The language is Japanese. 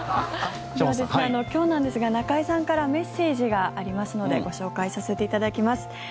今日なんですが中居さんからメッセージがありますのでご紹介させていただきます。